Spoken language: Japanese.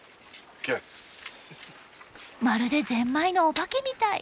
まるでゼンマイのお化けみたい。